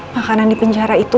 makanan di penjara itu